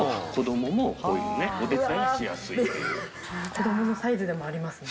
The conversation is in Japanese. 子どものサイズでもありますね。